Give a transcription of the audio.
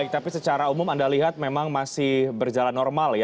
tapi secara umum anda lihat memang masih berjalan normal ya